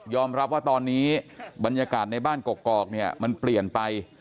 รับว่าตอนนี้บรรยากาศในบ้านกอกเนี่ยมันเปลี่ยนไป